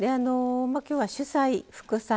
今日は主菜副菜